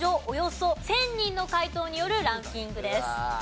およそ１０００人の回答によるランキングです。